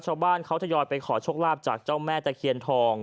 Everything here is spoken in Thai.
ชาวบ้านเขาทยอยไปขอโชคลาภจากเจ้าแม่ตะเคียนทอง